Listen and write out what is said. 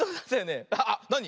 あっなに？